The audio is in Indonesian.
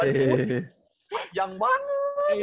pada itu kepanjangan banget